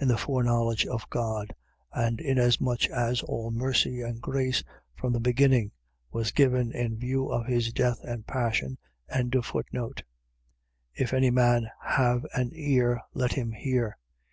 .In the foreknowledge of God; and inasmuch as all mercy and grace, from the beginning, was given in view of his death and passion. 13:9. If any man have an ear, let him hear.